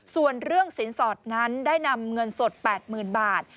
ส่วนเรื่องสินสอดนั้นได้นำเงินสด๘๐๐๐บาท